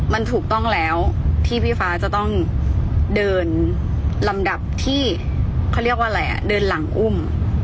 มันถูกต้องแล้วที่พี่ฟ้าจะต้องเดินลำดับที่เขาเรียกว่าอะไรอ่ะเดินหลังอุ้ม